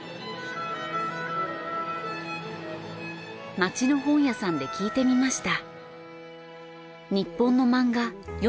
街の本屋さんで聞いてみました。